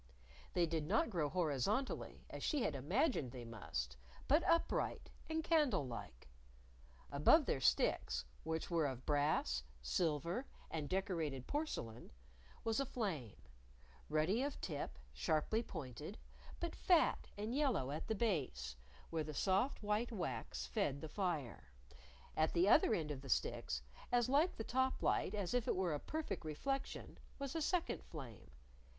They did not grow horizontally, as she had imagined they must, but upright and candle like. Above their sticks, which were of brass, silver and decorated porcelain, was a flame, ruddy of tip, sharply pointed, but fat and yellow at the base, where the soft white wax fed the fire; at the other end of the sticks, as like the top light as if it were a perfect reflection, was a second flame.